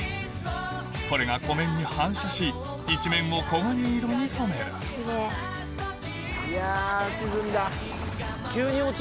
これが湖面に反射し一面を黄金色に染めるいや。